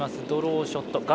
ドローショット。